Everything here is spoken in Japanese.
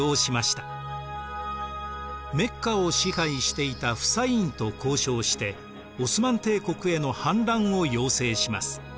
メッカを支配していたフサインと交渉してオスマン帝国への反乱を要請します。